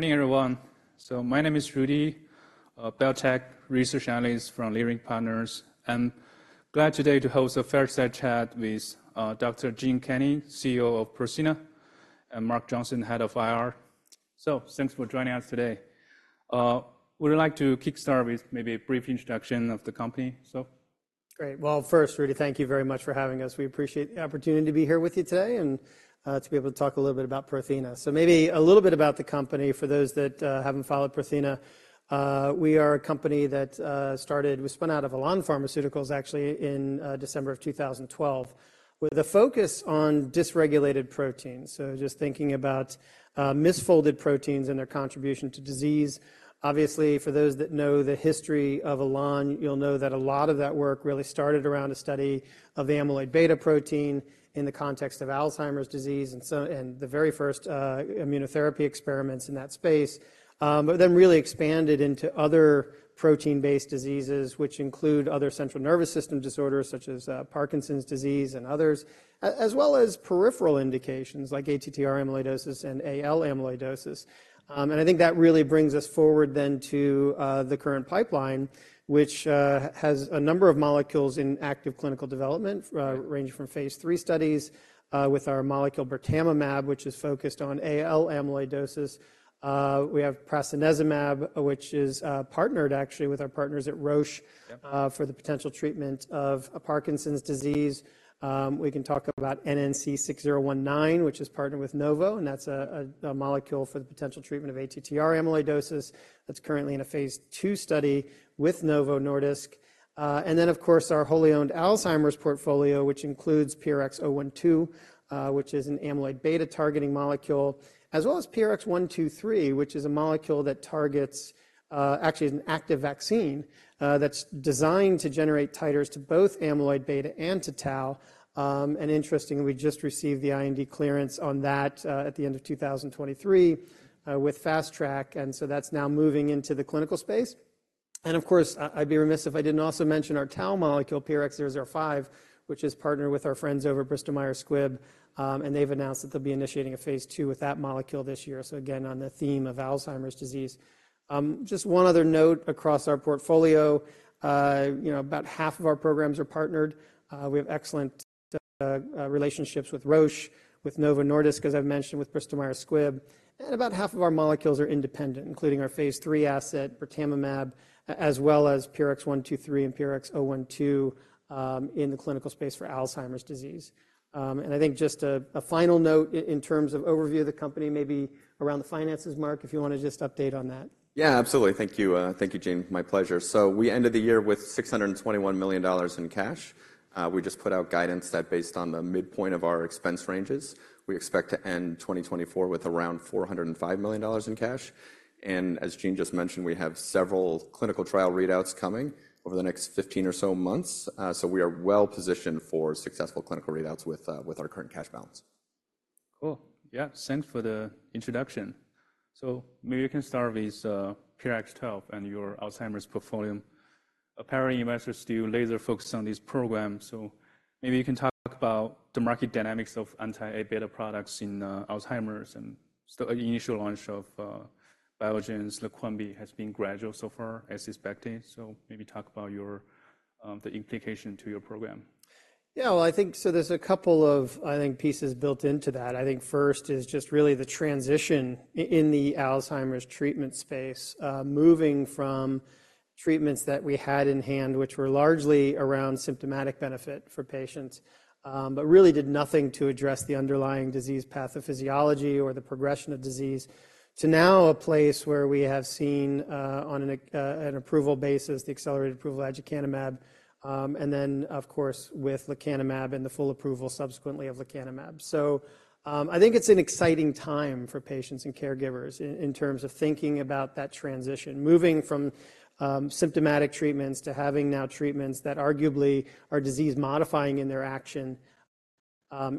Morning, everyone. So my name is Rudy, biotech research analyst from Leerink Partners, and glad today to host a fireside chat with, Dr. Gene Kinney, CEO of Prothena, and Mark Johnson, Head of IR. So thanks for joining us today. Would you like to kickstart with maybe a brief introduction of the company, so? Great. Well, first, Rudy, thank you very much for having us. We appreciate the opportunity to be here with you today and to be able to talk a little bit about Prothena. So maybe a little bit about the company for those that haven't followed Prothena. We are a company that spun out of Elan Pharmaceuticals, actually, in December of 2012, with a focus on dysregulated proteins. So just thinking about misfolded proteins and their contribution to disease. Obviously, for those that know the history of Elan, you'll know that a lot of that work really started around a study of the amyloid beta protein in the context of Alzheimer's disease, and the very first immunotherapy experiments in that space. But then really expanded into other protein-based diseases, which include other central nervous system disorders such as Parkinson's disease and others, as well as peripheral indications like ATTR amyloidosis and AL amyloidosis. And I think that really brings us forward then to the current pipeline, which has a number of molecules in active clinical development, ranging from Phase III studies with our molecule birtamimab, which is focused on AL amyloidosis. We have prasinezumab, which is partnered actually with our partners at Roche for the potential treatment of Parkinson's disease. We can talk about NNC6019, which is partnered with Novo, and that's a molecule for the potential treatment of ATTR amyloidosis that's currently in a Phase II study with Novo Nordisk. And then, of course, our wholly owned Alzheimer's portfolio, which includes PRX012, which is an amyloid beta-targeting molecule, as well as PRX123. Actually, it's an active vaccine that's designed to generate titers to both amyloid beta and to tau. And interestingly, we just received the IND clearance on that at the end of 2023 with Fast Track, and so that's now moving into the clinical space. And of course, I'd be remiss if I didn't also mention our tau molecule, PRX005, which is partnered with our friends over at Bristol Myers Squibb. And they've announced that they'll be initiating a Phase II with that molecule this year. So again, on the theme of Alzheimer's disease. Just one other note across our portfolio, you know, about half of our programs are partnered. We have excellent relationships with Roche, with Novo Nordisk, as I've mentioned, with Bristol Myers Squibb, and about half of our molecules are independent, including our Phase III asset, birtamimab, as well as PRX123 and PRX012, in the clinical space for Alzheimer's disease. And I think just a final note in terms of overview of the company, maybe around the finances, Mark, if you want to just update on that. Yeah, absolutely. Thank you, Gene. My pleasure. So we ended the year with $621 million in cash. We just put out guidance that based on the midpoint of our expense ranges, we expect to end 2024 with around $405 million in cash. And as Gene just mentioned, we have several clinical trial readouts coming over the next 15 or so months. So we are well-positioned for successful clinical readouts with our current cash balance. Cool. Yeah, thanks for the introduction. So maybe you can start with PRX012 and your Alzheimer's portfolio. Apparently, investors are still laser-focused on this program, so maybe you can talk about the market dynamics of anti-A beta products in Alzheimer's, and the initial launch of Biogen's Leqembi has been gradual so far, as expected. So maybe talk about your the implication to your program. Yeah, well, I think so there's a couple of, I think, pieces built into that. I think first is just really the transition in the Alzheimer's treatment space, moving from treatments that we had in hand, which were largely around symptomatic benefit for patients, but really did nothing to address the underlying disease pathophysiology or the progression of disease, to now a place where we have seen, on an approval basis, the accelerated approval of aducanumab, and then, of course, with lecanemab and the full approval subsequently of lecanemab. I think it's an exciting time for patients and caregivers in terms of thinking about that transition. Moving from symptomatic treatments to having now treatments that arguably are disease-modifying in their action,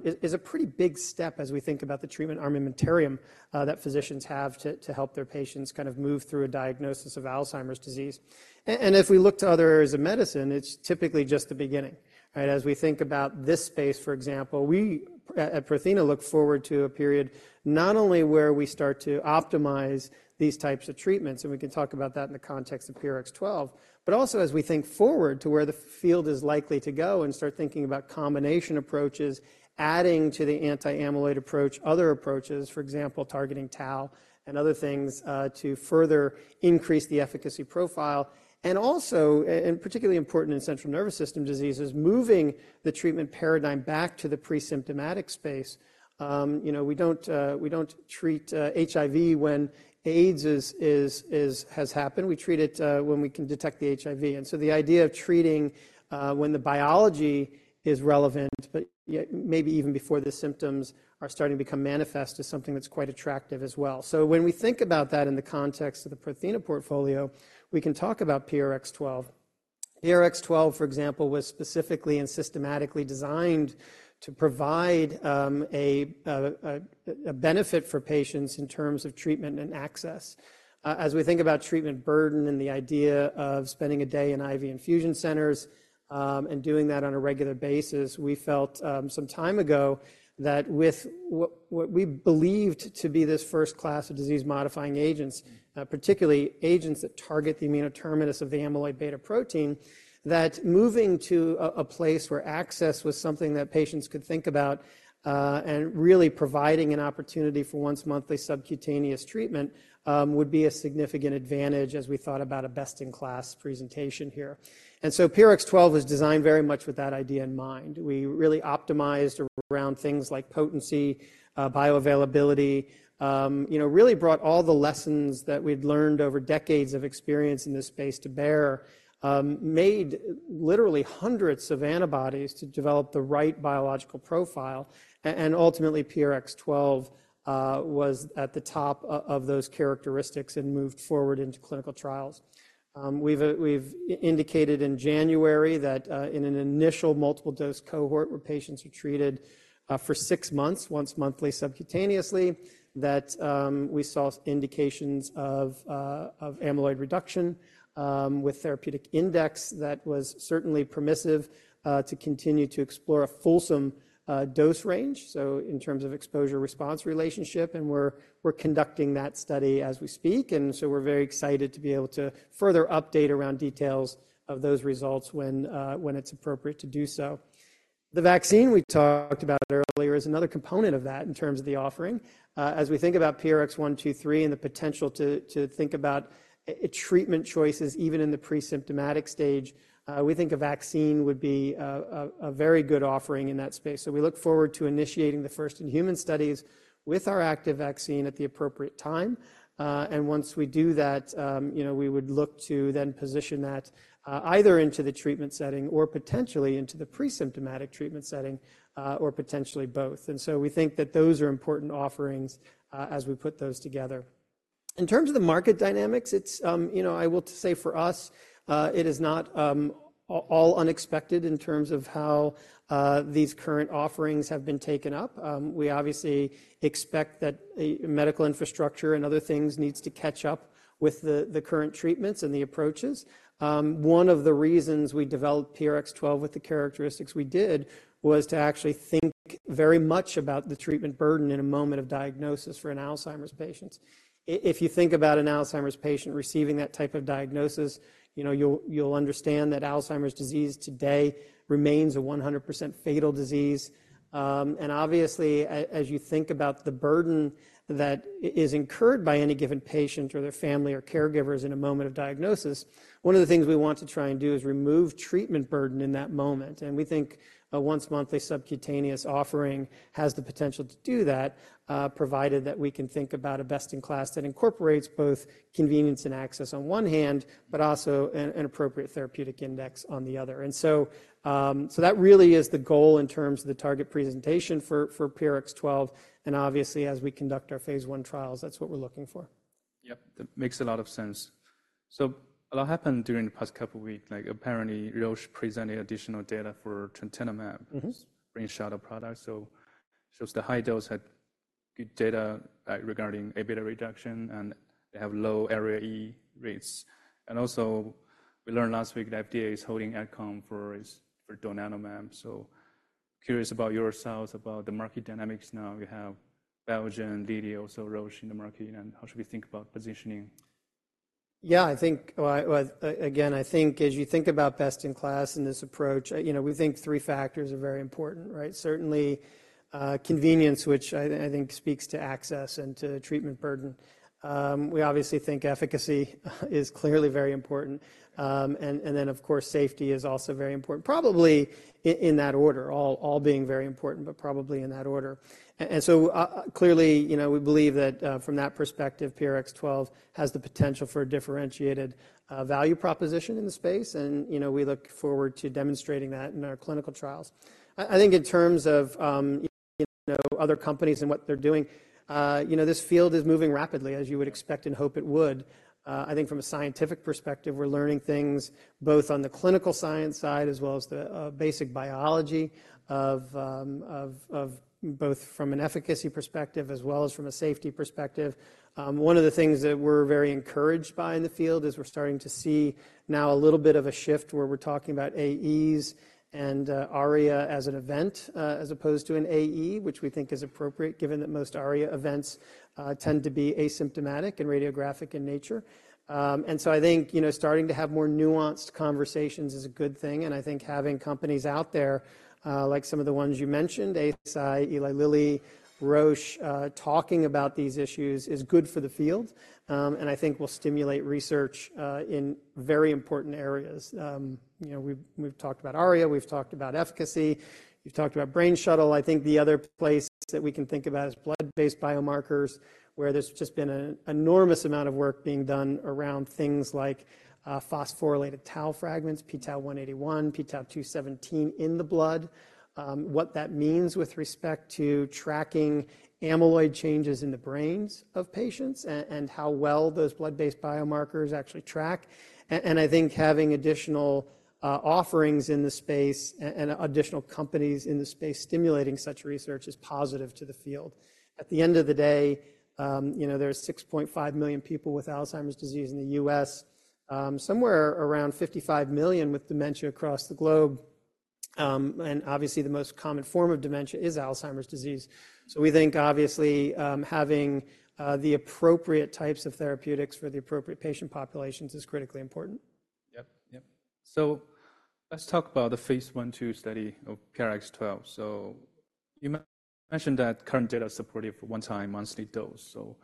is a pretty big step as we think about the treatment armamentarium that physicians have to help their patients kind of move through a diagnosis of Alzheimer's disease. And if we look to other areas of medicine, it's typically just the beginning, right? As we think about this space, for example, we at Prothena look forward to a period not only where we start to optimize these types of treatments, and we can talk about that in the context of PRX012, but also as we think forward to where the field is likely to go and start thinking about combination approaches, adding to the anti-amyloid approach, other approaches, for example, targeting tau and other things, to further increase the efficacy profile. And also, particularly important in central nervous system diseases, moving the treatment paradigm back to the pre-symptomatic space. You know, we don't, we don't treat HIV when AIDS is, has happened. We treat it when we can detect the HIV. And so the idea of treating when the biology is relevant, but yet maybe even before the symptoms are starting to become manifest, is something that's quite attractive as well. So when we think about that in the context of the Prothena portfolio, we can talk about PRX012. PRX012, for example, was specifically and systematically designed to provide a benefit for patients in terms of treatment and access. As we think about treatment burden and the idea of spending a day in IV infusion centers, and doing that on a regular basis, we felt some time ago that with what we believed to be this first class of disease-modifying agents, particularly agents that target the N-terminus of the amyloid beta protein, that moving to a place where access was something that patients could think about, and really providing an opportunity for once-monthly subcutaneous treatment, would be a significant advantage as we thought about a best-in-class presentation here. So PRX012 was designed very much with that idea in mind. We really optimized around things like potency, bioavailability, you know, really brought all the lessons that we'd learned over decades of experience in this space to bear. Made literally hundreds of antibodies to develop the right biological profile, and ultimately, PRX012 was at the top of those characteristics and moved forward into clinical trials. We've indicated in January that in an initial multiple-dose cohort, where patients were treated for six months, once monthly subcutaneously, that we saw indications of amyloid reduction with therapeutic index that was certainly permissive to continue to explore a fulsome dose range, so in terms of exposure-response relationship, and we're conducting that study as we speak. And so we're very excited to be able to further update around details of those results when it's appropriate to do so. The vaccine we talked about earlier is another component of that in terms of the offering. As we think about PRX123 and the potential to think about treatment choices even in the pre-symptomatic stage, we think a vaccine would be a very good offering in that space. So we look forward to initiating the first-in-human studies with our active vaccine at the appropriate time. And once we do that, you know, we would look to then position that, either into the treatment setting or potentially into the pre-symptomatic treatment setting, or potentially both. And so we think that those are important offerings, as we put those together. In terms of the market dynamics, it's, you know, I will say for us, it is not all unexpected in terms of how these current offerings have been taken up. We obviously expect that a medical infrastructure and other things needs to catch up with the current treatments and the approaches. One of the reasons we developed PRX012 with the characteristics we did, was to actually think very much about the treatment burden in a moment of diagnosis for an Alzheimer's patient. If you think about an Alzheimer's patient receiving that type of diagnosis, you know, you'll understand that Alzheimer's disease today remains a 100% fatal disease. And obviously, as you think about the burden that is incurred by any given patient or their family or caregivers in a moment of diagnosis, one of the things we want to try and do is remove treatment burden in that moment. We think a once-monthly subcutaneous offering has the potential to do that, provided that we can think about a best-in-class that incorporates both convenience and access on one hand, but also an appropriate therapeutic index on the other. So, so that really is the goal in terms of the target presentation for PRX012, and obviously, as we conduct our Phase I trials, that's what we're looking for. Yep, that makes a lot of sense. So a lot happened during the past couple of weeks, like apparently, Roche presented additional data for trontinemab Brain Shuttle product. So shows the high dose had good data regarding Aβ reduction, and they have low ARIA rates. And also, we learned last week that FDA is holding AdCom for its, for donanemab. So curious about yourselves, about the market dynamics. Now, you have Biogen, Lilly, also Roche in the market, and how should we think about positioning? Yeah, I think. Well, again, I think as you think about best-in-class in this approach, you know, we think three factors are very important, right? Certainly, convenience, which I think speaks to access and to treatment burden. We obviously think efficacy is clearly very important. And then, of course, safety is also very important. Probably in that order, all being very important, but probably in that order. And so, clearly, you know, we believe that, from that perspective, PRX012 has the potential for a differentiated value proposition in the space, and, you know, we look forward to demonstrating that in our clinical trials. I think in terms of, you know, other companies and what they're doing, you know, this field is moving rapidly, as you would expect and hope it would. I think from a scientific perspective, we're learning things both on the clinical science side, as well as the basic biology of both from an efficacy perspective as well as from a safety perspective. One of the things that we're very encouraged by in the field is we're starting to see now a little bit of a shift where we're talking about AEs and ARIA as an event as opposed to an AE, which we think is appropriate, given that most ARIA events tend to be asymptomatic and radiographic in nature. And so I think, you know, starting to have more nuanced conversations is a good thing, and I think having companies out there, like some of the ones you mentioned, Eisai, Eli Lilly, Roche, talking about these issues is good for the field, and I think will stimulate research, in very important areas. You know, we've talked about ARIA, we've talked about efficacy, we've talked about Brain Shuttle. I think the other place that we can think about is blood-based biomarkers, where there's just been an enormous amount of work being done around things like, phosphorylated tau fragments, p-tau 181, p-tau 217 in the blood. What that means with respect to tracking amyloid changes in the brains of patients and how well those blood-based biomarkers actually track. And I think having additional offerings in the space and additional companies in the space stimulating such research is positive to the field. At the end of the day, you know, there are 6.5 million people with Alzheimer's disease in the U.S., somewhere around 55 million with dementia across the globe. And obviously, the most common form of dementia is Alzheimer's disease. So we think, obviously, having the appropriate types of therapeutics for the appropriate patient populations is critically important. Yep, yep. So let's talk about the Phase I/II study of PRX012. So you mentioned that current data supported for one-time monthly dose. So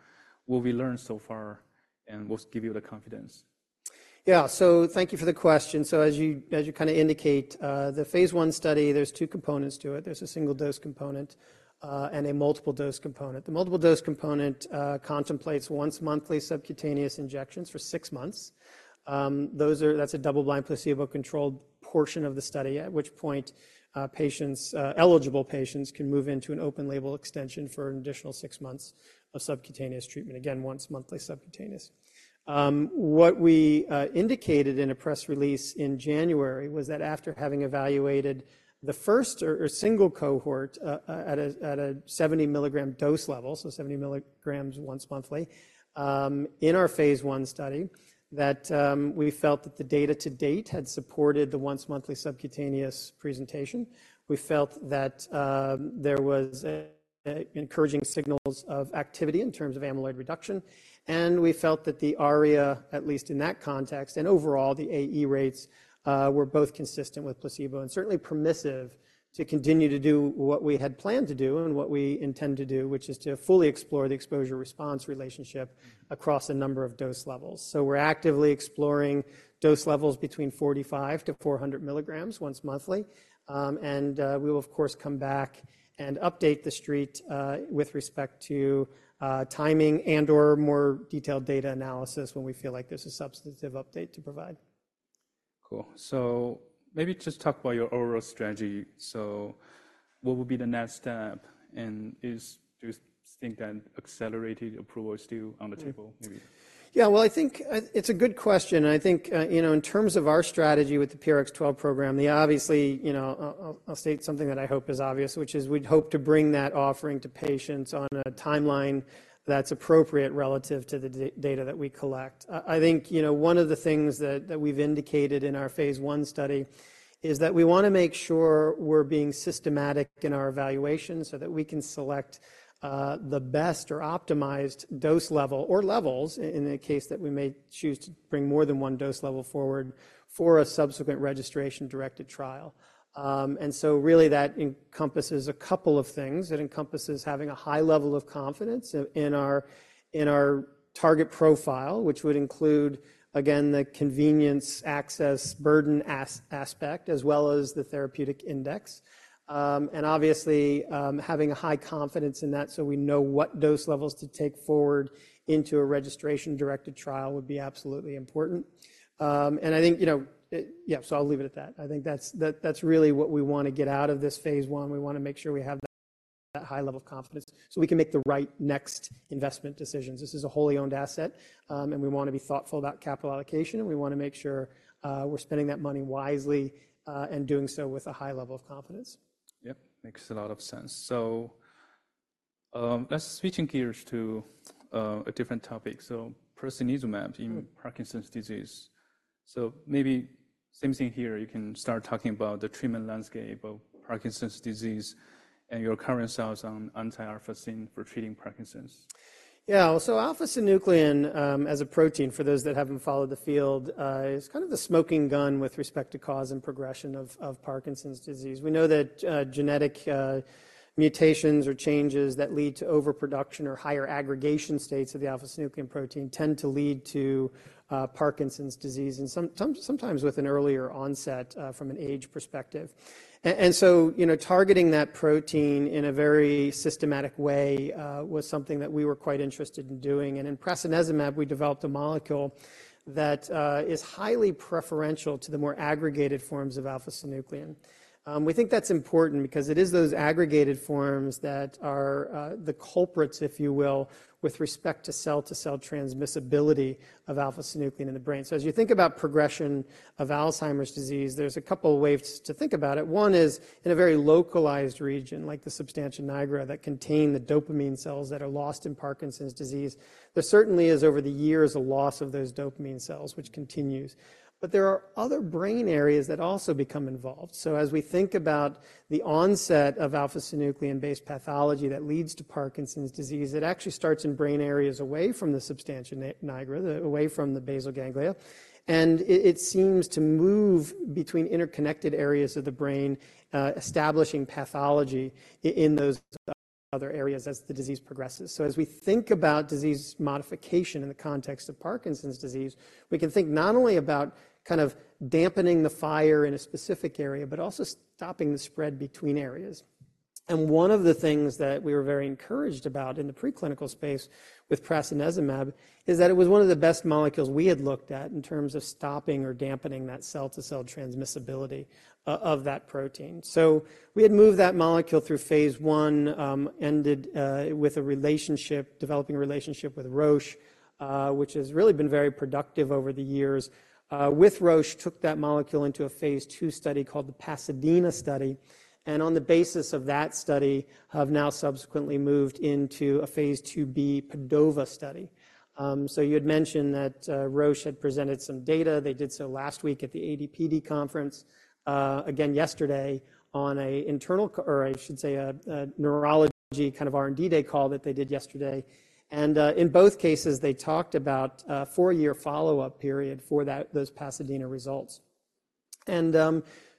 what we learned so far, and what give you the confidence? Yeah, so thank you for the question. So as you kinda indicate, the Phase I study, there's two components to it. There's a single-dose component, and a multiple-dose component. The multiple-dose component contemplates once-monthly subcutaneous injections for six months. That's a double-blind, placebo-controlled portion of the study, at which point, eligible patients can move into an open-label extension for an additional six months of subcutaneous treatment. Again, once-monthly subcutaneous. What we indicated in a press release in January was that after having evaluated the first or single cohort, at a 70 mg dose level, so 70 mg once monthly, in our Phase I study, that we felt that the data to date had supported the once-monthly subcutaneous presentation. We felt that there was encouraging signals of activity in terms of amyloid reduction, and we felt that the ARIA, at least in that context, and overall, the AE rates were both consistent with placebo and certainly permissive to continue to do what we had planned to do and what we intend to do, which is to fully explore the exposure-response relationship across a number of dose levels. So we're actively exploring dose levels between 45 mg-400 mg once monthly. And we will, of course, come back and update the street with respect to timing and/or more detailed data analysis when we feel like there's a substantive update to provide. Cool. So maybe just talk about your overall strategy. So what would be the next step, and is, do you think that accelerated approval is still on the table, maybe? Yeah, well, I think, it's a good question, and I think, you know, in terms of our strategy with the PRX012 program, obviously, you know... I'll state something that I hope is obvious, which is we'd hope to bring that offering to patients on a timeline that's appropriate relative to the data that we collect. I think, you know, one of the things that we've indicated in our Phase I study is that we wanna make sure we're being systematic in our evaluation so that we can select the best or optimized dose level or levels, in a case that we may choose to bring more than one dose level forward, for a subsequent registration-directed trial. And so really, that encompasses a couple of things. It encompasses having a high level of confidence in our target profile, which would include, again, the convenience, access, burden aspect, as well as the therapeutic index. And obviously, having a high confidence in that so we know what dose levels to take forward into a registration-directed trial would be absolutely important. And I think, you know, it... Yeah, so I'll leave it at that. I think that's really what we want to get out of this Phase I. We wanna make sure we have that high level of confidence, so we can make the right next investment decisions. This is a wholly owned asset, and we want to be thoughtful about capital allocation, and we wanna make sure we're spending that money wisely, and doing so with a high level of confidence. Yep, makes a lot of sense. So, let's switch gears to a different topic. So prasinezumab in Parkinson's disease. So maybe same thing here, you can start talking about the treatment landscape of Parkinson's disease and your current thoughts on anti-alpha-syn for treating Parkinson's. Yeah. So alpha-synuclein, as a protein, for those that haven't followed the field, is kind of the smoking gun with respect to cause and progression of Parkinson's disease. We know that genetic mutations or changes that lead to overproduction or higher aggregation states of the alpha-synuclein protein tend to lead to Parkinson's disease, and sometimes with an earlier onset from an age perspective. And so, you know, targeting that protein in a very systematic way was something that we were quite interested in doing. And in prasinezumab, we developed a molecule that is highly preferential to the more aggregated forms of alpha-synuclein. We think that's important because it is those aggregated forms that are the culprits, if you will, with respect to cell-to-cell transmissibility of alpha-synuclein in the brain. So as you think about progression of Alzheimer's disease, there's a couple of ways to think about it. One is in a very localized region, like the substantia nigra, that contain the dopamine cells that are lost in Parkinson's disease. There certainly is, over the years, a loss of those dopamine cells, which continues. But there are other brain areas that also become involved. So as we think about the onset of alpha-synuclein-based pathology that leads to Parkinson's disease, it actually starts in brain areas away from the substantia nigra, away from the basal ganglia, and it seems to move between interconnected areas of the brain, establishing pathology in those other areas as the disease progresses. So as we think about disease modification in the context of Parkinson's disease, we can think not only about kind of dampening the fire in a specific area, but also stopping the spread between areas. And one of the things that we were very encouraged about in the preclinical space with prasinezumab, is that it was one of the best molecules we had looked at in terms of stopping or dampening that cell-to-cell transmissibility of that protein. So we had moved that molecule through Phase I, ended, with a relationship, developing a relationship with Roche, which has really been very productive over the years. With Roche, took that molecule into a Phase II study called the PASADENA study, and on the basis of that study, have now subsequently moved into a Phase IIB PADOVA study. So you had mentioned that Roche had presented some data. They did so last week at the AD/PD conference, again yesterday, on an internal, or I should say, a neurology kind of R&D day call that they did yesterday. And in both cases, they talked about a 4-year follow-up period for that, those Pasadena results.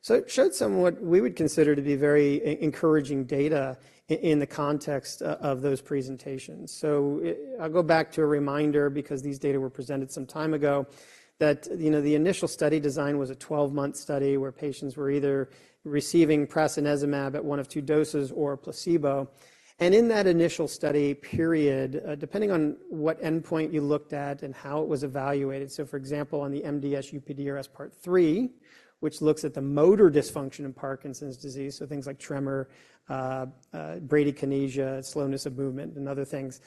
So it showed somewhat we would consider to be very encouraging data in the context of those presentations. So I'll go back to a reminder, because these data were presented some time ago, that, you know, the initial study design was a 12-month study, where patients were either receiving prasinezumab at one of two doses or a placebo. And in that initial study period, depending on what endpoint you looked at and how it was evaluated, so for example, on the MDS-UPDRS Part III, which looks at the motor dysfunction in Parkinson's disease, so things like tremor, bradykinesia, slowness of movement, and other things.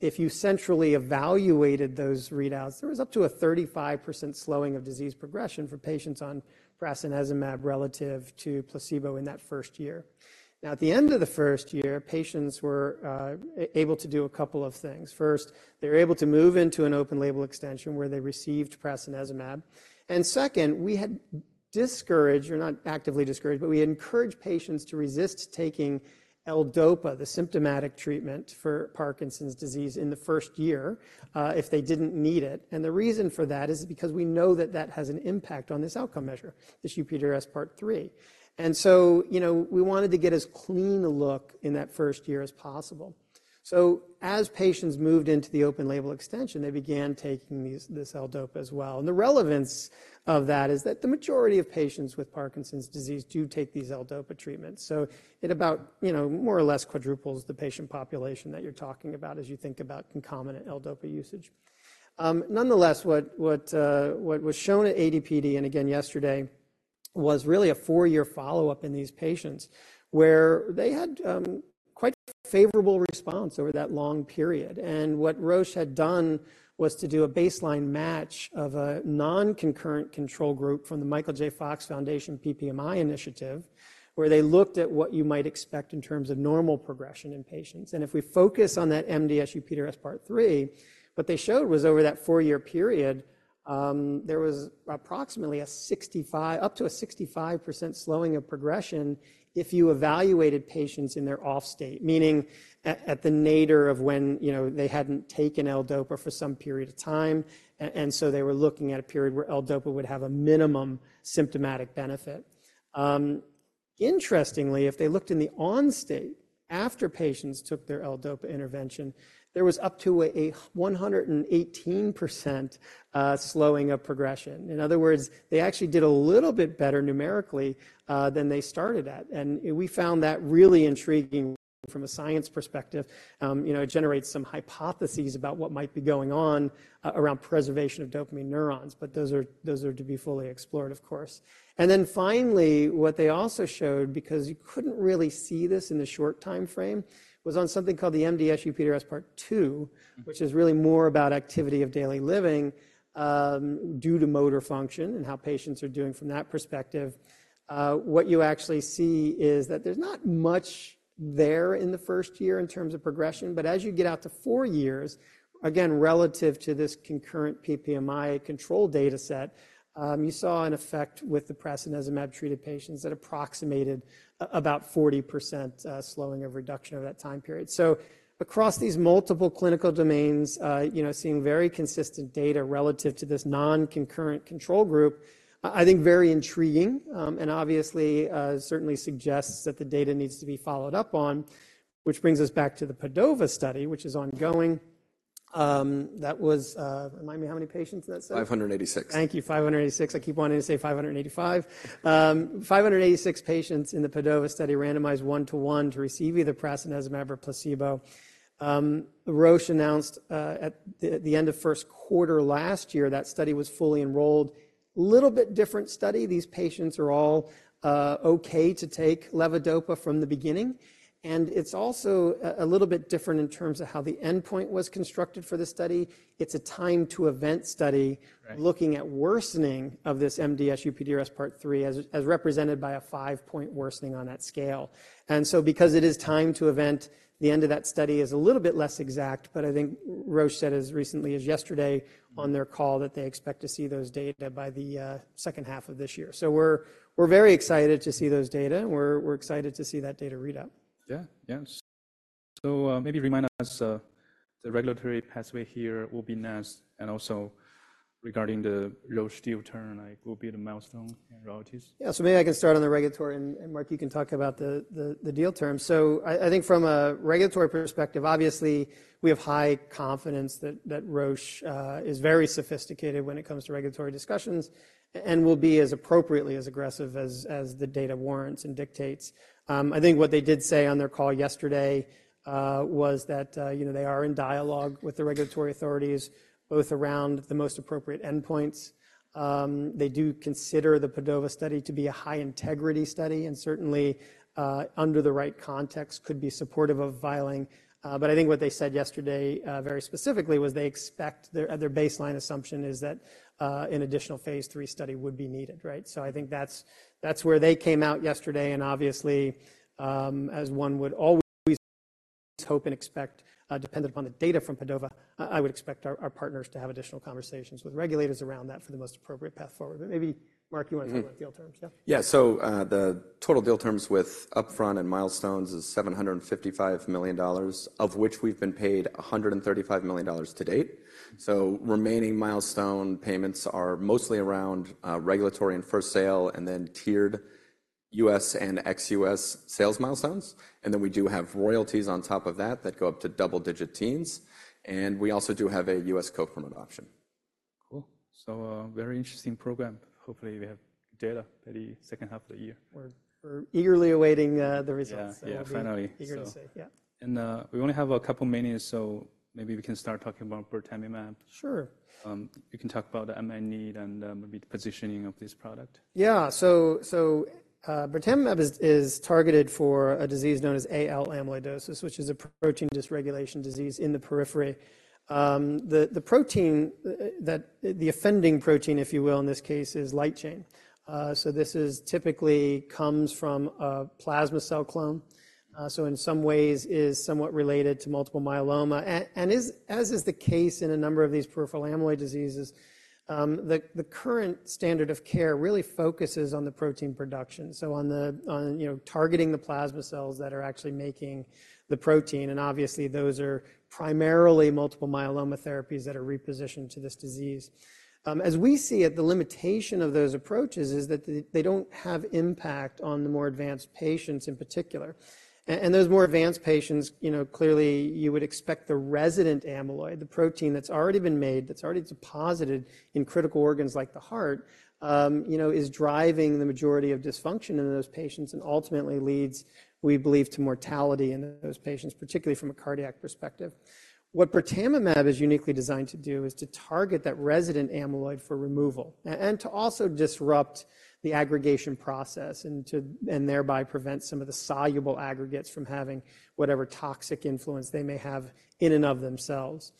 If you centrally evaluated those readouts, there was up to a 35% slowing of disease progression for patients on prasinezumab relative to placebo in that first year. Now, at the end of the first year, patients were able to do a couple of things. First, they were able to move into an open-label extension, where they received prasinezumab. And second, we had discouraged, or not actively discouraged, but we encouraged patients to resist taking L-DOPA, the symptomatic treatment for Parkinson's disease, in the first year, if they didn't need it. The reason for that is because we know that that has an impact on this outcome measure, this UPDRS Part III. So, you know, we wanted to get as clean a look in that first year as possible. As patients moved into the open-label extension, they began taking these, this L-DOPA as well. And the relevance of that is that the majority of patients with Parkinson's disease do take these L-DOPA treatments. So it about, you know, more or less quadruples the patient population that you're talking about as you think about concomitant L-DOPA usage. Nonetheless, what was shown at AD/PD, and again, yesterday, was really a four-year follow-up in these patients, where they had quite a favorable response over that long period. And what Roche had done was to do a baseline match of a non-concurrent control group from the Michael J. Fox Foundation PPMI Initiative, where they looked at what you might expect in terms of normal progression in patients. And if we focus on that MDS-UPDRS Part III, what they showed was over that 4-year period, there was approximately a 65%-- up to a 65% slowing of progression if you evaluated patients in their off state, meaning at, at the nadir of when, you know, they hadn't taken L-DOPA for some period of time. And so they were looking at a period where L-DOPA would have a minimum symptomatic benefit. Interestingly, if they looked in the on state, after patients took their L-DOPA intervention, there was up to a 118% slowing of progression. In other words, they actually did a little bit better numerically than they started at, and we found that really intriguing from a science perspective. You know, it generates some hypotheses about what might be going on around preservation of dopamine neurons, but those are to be fully explored, of course. And then finally, what they also showed, because you couldn't really see this in the short timeframe, was on something called the MDS-UPDRS Part II, which is really more about activity of daily living due to motor function and how patients are doing from that perspective. What you actually see is that there's not much there in the first year in terms of progression, but as you get out to four years, again, relative to this concurrent PPMI control dataset, you saw an effect with the prasinezumab-treated patients that approximated about 40% slowing of reduction over that time period. So across these multiple clinical domains, you know, seeing very consistent data relative to this non-concurrent control group, I think very intriguing, and obviously certainly suggests that the data needs to be followed up on, which brings us back to the PADOVA study, which is ongoing. That was... Remind me, how many patients in that study? 586. Thank you, 586. I keep wanting to say 585. 586 patients in the PADOVA study randomized 1:1 to receive either prasinezumab or placebo. Roche announced at the end of first quarter last year, that study was fully enrolled. Little bit different study. These patients are all okay to take levodopa from the beginning, and it's also a little bit different in terms of how the endpoint was constructed for this study. It's a time to event study looking at worsening of this MDS-UPDRS Part III as, as represented by a five-point worsening on that scale. So because it is time to event, the end of that study is a little bit less exact, but I think Roche said as recently as yesterday on their call, that they expect to see those data by the second half of this year. So we're, we're very excited to see those data, and we're, we're excited to see that data readout. Yeah. Yeah. So, maybe remind us, the regulatory pathway here will be next, and also regarding the Roche deal term, like will be the milestone and royalties. Yeah. So maybe I can start on the regulatory, and Mark, you can talk about the deal terms. So I think from a regulatory perspective, obviously, we have high confidence that Roche is very sophisticated when it comes to regulatory discussions and will be as appropriately as aggressive as the data warrants and dictates. I think what they did say on their call yesterday was that, you know, they are in dialogue with the regulatory authorities, both around the most appropriate endpoints. They do consider the PADOVA study to be a high-integrity study, and certainly, under the right context, could be supportive of filing. But I think what they said yesterday, very specifically, was they expect. Their baseline assumption is that an additional Phase III study would be needed, right? So I think that's where they came out yesterday, and obviously, as one would always hope and expect, dependent upon the data from PADOVA, I would expect our partners to have additional conversations with regulators around that for the most appropriate path forward. But maybe, Mark, you wanna talk about deal terms? Yeah. Yeah, so, the total deal terms with upfront and milestones is $755 million, of which we've been paid $135 million to date. So remaining milestone payments are mostly around, regulatory and first sale, and then tiered U.S. and ex-U.S. sales milestones, and then we do have royalties on top of that, that go up to double-digit teens, and we also do have a U.S. co-promote option. Cool. So, very interesting program. Hopefully, we have data by the second half of the year. We're eagerly awaiting the results. Yeah, yeah, finally. Eager to see. Yeah. We only have a couple of minutes, so maybe we can start talking about birtamimab. Sure. You can talk about the unmet need and, maybe the positioning of this product. Yeah. So, birtamimab is targeted for a disease known as AL amyloidosis, which is a protein dysregulation disease in the periphery. The offending protein, if you will, in this case, is light chain. This typically comes from a plasma cell clone, so in some ways is somewhat related to multiple myeloma. And as is the case in a number of these peripheral amyloid diseases, the current standard of care really focuses on the protein production, so on the, you know, targeting the plasma cells that are actually making the protein, and obviously, those are primarily multiple myeloma therapies that are repositioned to this disease. As we see it, the limitation of those approaches is that they don't have impact on the more advanced patients in particular. Those more advanced patients, you know, clearly you would expect the resident amyloid, the protein that's already been made, that's already deposited in critical organs like the heart, you know, is driving the majority of dysfunction in those patients and ultimately leads, we believe, to mortality in those patients, particularly from a cardiac perspective. What birtamimab is uniquely designed to do is to target that resident amyloid for removal, and to also disrupt the aggregation process, and thereby prevent some of the soluble aggregates from having whatever toxic influence they may have in and of themselves.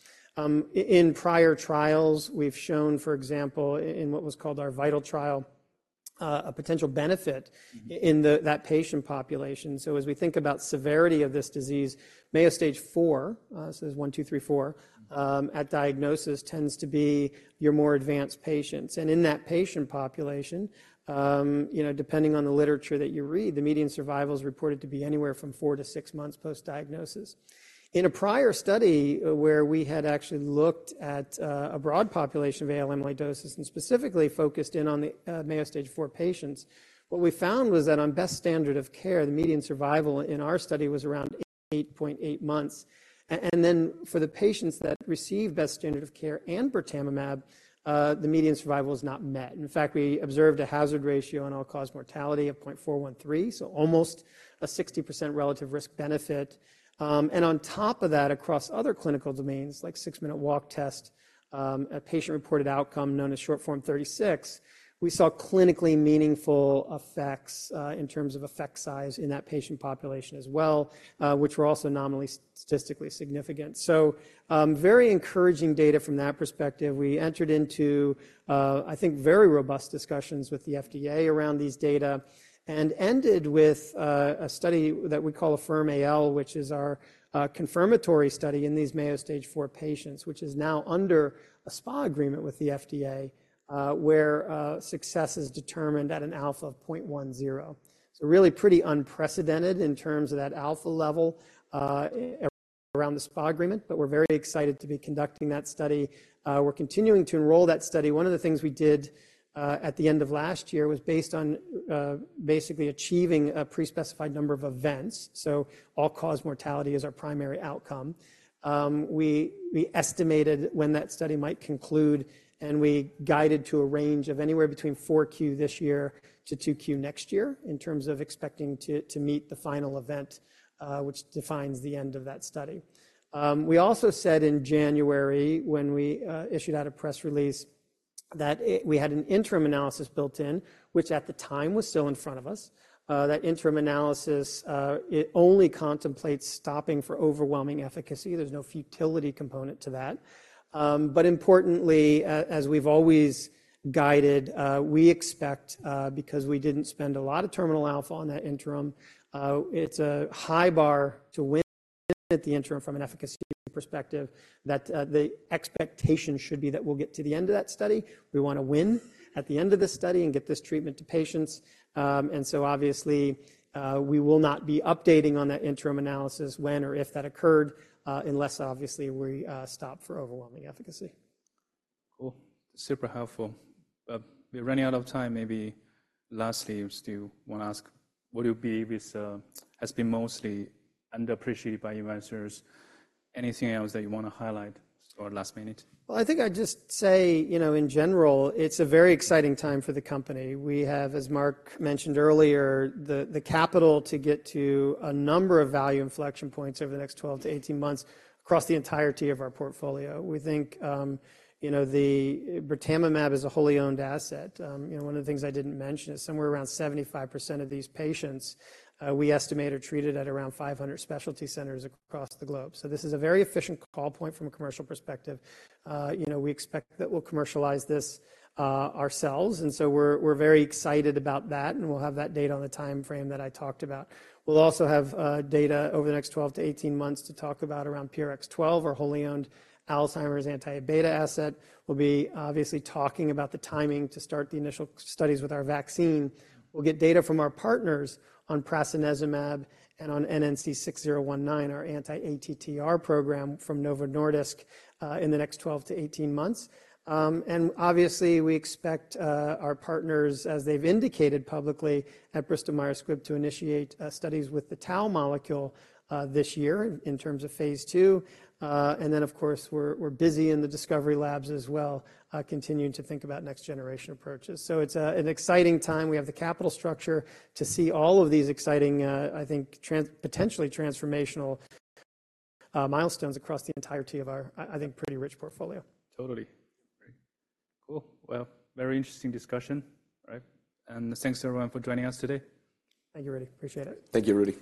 In prior trials, we've shown, for example, in what was called our VITAL trial, a potential benefit in that patient population. So as we think about severity of this disease, Mayo Stage IV, so there's I, II, III, IV, at diagnosis, tends to be your more advanced patients. And in that patient population, you know, depending on the literature that you read, the median survival is reported to be anywhere from 4-6 months post-diagnosis. In a prior study, where we had actually looked at a broad population of AL amyloidosis and specifically focused in on the Mayo Stage IV patients, what we found was that on best standard of care, the median survival in our study was around 8.8 months. And then for the patients that received best standard of care and birtamimab, the median survival was not met. In fact, we observed a hazard ratio on all-cause mortality of 0.413, so almost a 60% relative risk benefit. And on top of that, across other clinical domains, like six-minute walk test, a patient-reported outcome known as Short Form 36, we saw clinically meaningful effects, in terms of effect size in that patient population as well, which were also nominally statistically significant. So, very encouraging data from that perspective. We entered into, I think, very robust discussions with the FDA around these data and ended with, a study that we call AFFIRM-AL, which is our, confirmatory study in these Mayo Stage IV patients, which is now under a SPA agreement with the FDA, where, success is determined at an alpha of 0.10. So really pretty unprecedented in terms of that alpha level, around the SPA agreement, but we're very excited to be conducting that study. We're continuing to enroll that study. One of the things we did, at the end of last year was based on, basically achieving a pre-specified number of events. So all-cause mortality is our primary outcome. We estimated when that study might conclude, and we guided to a range of anywhere between 4Q this year to 2Q next year, in terms of expecting to meet the final event, which defines the end of that study. We also said in January, when we issued out a press release, that we had an interim analysis built in, which at the time was still in front of us. That interim analysis, it only contemplates stopping for overwhelming efficacy. There's no futility component to that. But importantly, as we've always guided, we expect, because we didn't spend a lot of terminal alpha on that interim, it's a high bar to win at the interim from an efficacy perspective, that the expectation should be that we'll get to the end of that study. We want to win at the end of this study and get this treatment to patients. So obviously, we will not be updating on that interim analysis when or if that occurred, unless obviously we stop for overwhelming efficacy. Cool. Super helpful, but we're running out of time. Maybe lastly, I still want to ask, what would you be with, has been mostly underappreciated by investors? Anything else that you want to highlight for last minute? Well, I think I'd just say, you know, in general, it's a very exciting time for the company. We have, as Mark mentioned earlier, the capital to get to a number of value inflection points over the next 12-18 months across the entirety of our portfolio. We think, you know, the birtamimab is a wholly owned asset. You know, one of the things I didn't mention is somewhere around 75% of these patients, we estimate are treated at around 500 specialty centers across the globe. So this is a very efficient call point from a commercial perspective. You know, we expect that we'll commercialize this, ourselves, and so we're, we're very excited about that, and we'll have that data on the timeframe that I talked about. We'll also have data over the next 12-18 months to talk about around PRX012, our wholly owned Alzheimer's anti-beta asset. We'll be obviously talking about the timing to start the initial studies with our vaccine. We'll get data from our partners on prasinezumab and on NNC6019, our anti-ATTR program from Novo Nordisk, in the next 12-18 months. And obviously, we expect our partners, as they've indicated publicly at Bristol Myers Squibb, to initiate studies with the tau molecule, this year in terms of Phase II. And then, of course, we're busy in the discovery labs as well, continuing to think about next-generation approaches. So it's an exciting time. We have the capital structure to see all of these exciting, I think, potentially transformational milestones across the entirety of our, I think, pretty rich portfolio. Totally. Great. Cool. Well, very interesting discussion. All right, and thanks, everyone, for joining us today. Thank you, Rudy. Appreciate it. Thank you, Rudy.